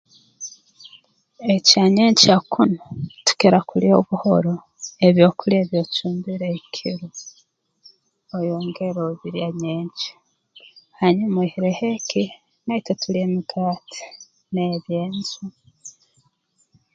Ekyanyenkya kunu tukira kulya obuhoro ebyokulya ebi ocumbire ekiro oyongera obirya nyenkya hanyuma oihireho eki naitwe tulya emigaate n'eby'enju